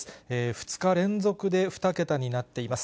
２日連続で２桁になっています。